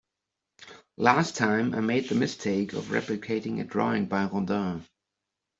Last time, I made the mistake of replicating a drawing by Rodin.